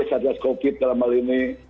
syarjah skokit dalam hal ini